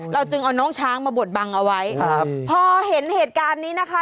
จึงเอาน้องช้างมาบดบังเอาไว้ครับพอเห็นเหตุการณ์นี้นะคะ